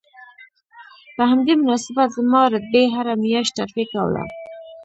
په همدې مناسبت زما رتبې هره میاشت ترفیع کوله